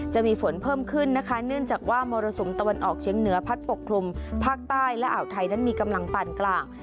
จะมีฝนเพิ่มขึ้นนะคะเนื่องจากว่ามรสุมตะวันออกเชียงเหนือพัดปกคลุมภาคใต้และอ่าวไทยนั้นมีกำลังปั่นกลาง